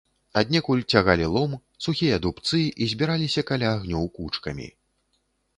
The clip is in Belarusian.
Аднекуль цягалі лом, сухія дубцы і збіраліся каля агнёў кучкамі.